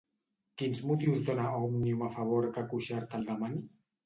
Quins motius dona Òmnium a favor que Cuixart el demani?